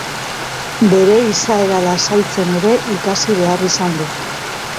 Bere izaera lasaitzen ere ikasi behar izan du.